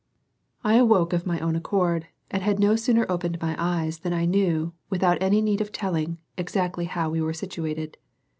I awoke of my own accord, and had no sooner opened my eyes than I knew, without any need of telling, exactly how we were situated.